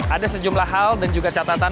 ada sejumlah hal dan juga catatan